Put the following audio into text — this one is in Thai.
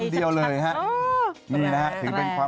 พี่หนุ่มก็รู้จัก